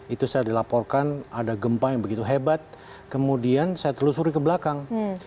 itu saya dilaporkan ada gempa yang begitu hebat kemudian saya telusuri ke belakang